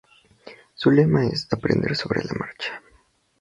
Su lema es "aprender sobre la marcha".